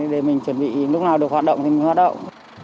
để mình chuẩn bị lúc nào được hoạt động thì mình hoạt động